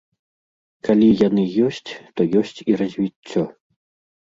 Калі яны ёсць, то ёсць і развіццё.